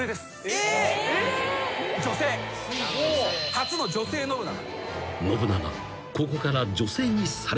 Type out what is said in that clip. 初の女性信長。